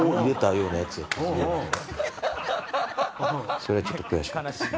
それはちょっと悔しかったっす。